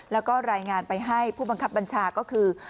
แล้วก็รายงานไปให้ผู้บังคับบัญชาก็คือ